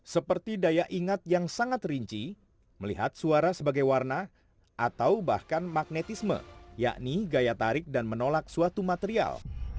seperti daya ingat yang sangat rinci melihat suara sebagai warna atau bahkan magnetisme yakni gaya tarik dan menolak suatu material